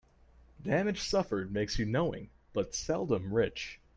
Damage suffered makes you knowing, but seldom rich.